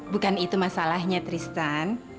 bukan itu masalahnya tristan